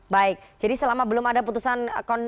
baik jadi selama belum ada putusan